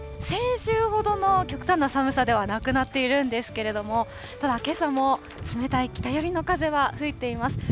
先週ほどの極端な寒さではなくなっているんですけれども、ただ、けさも冷たい北寄りの風は吹いています。